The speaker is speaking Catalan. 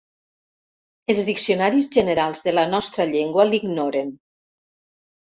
Els diccionaris generals de la nostra llengua l'ignoren.